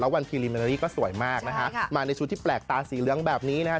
แล้ววันปีริเมนาลีก็สวยมากนะคะมาในชุดที่แปลกตาสีเลื้องแบบนี้นะฮะ